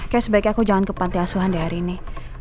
kayak sebaiknya aku jangan ke pantai asuhan di hari ini